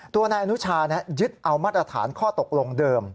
นายอนุชายึดเอามาตรฐานข้อตกลงเดิม